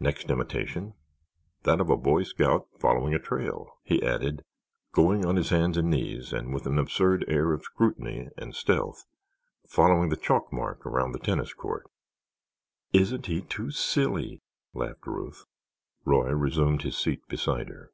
"Next imitation, that of a boy scout following a trail," he added, going on his hands and knees and with an absurd air of scrutiny and stealth following the chalk mark around the tennis court. "Isn't he too silly!" laughed Ruth. Roy resumed his seat beside her.